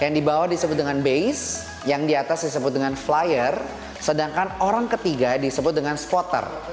yang dibawah disebut dengan base yang di atas disebut dengan flyer sedangkan orang ketiga disebut dengan spotter